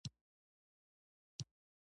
« له آدمه تر دې دمه دغه یو قانون چلیږي